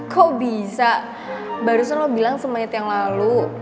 kok bisa barusan lo bilang semait yang lalu